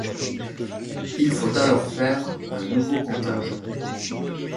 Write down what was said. Il faut alors faire un nouveau comptage.